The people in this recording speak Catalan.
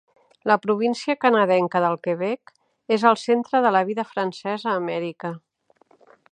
La província canadenca del Quebec és el centre de la vida francesa a Amèrica.